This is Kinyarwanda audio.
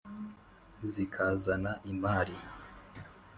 Zikazana imali,